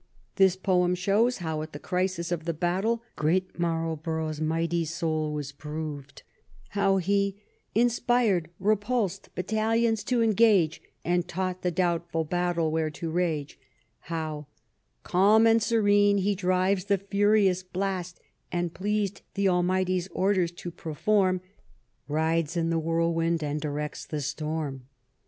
This poem shows how, at the crisis of the battle, " great Marlborough's mighty soul was proved," how he how, "Inspired repulsed battalions to engage, And taught the doubtful battle where to rage;" "Calm and serene he drives the furious blast; And, pleased the Almighty's orders to perform. Rides in the whirlwind and directs the storm."